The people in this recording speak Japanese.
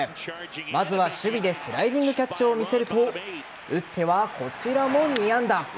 まずは守備でスライディングキャッチを見せると打っては、こちらも２安打。